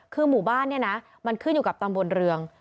คือหมู่บ้านเนี่ยนะมันขึ้นอยู่กับตำบลเรือง